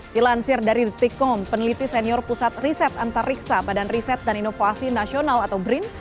dilansir dari detikkom peneliti senior pusat riset antariksa badan riset dan inovasi nasional atau brin